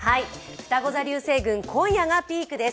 ふたご座流星群、今夜がピークです。